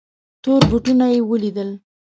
تور بوټونه یې ولیدل.